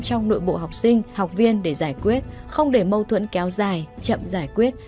trong nội bộ học sinh học viên để giải quyết không để mâu thuẫn kéo dài chậm giải quyết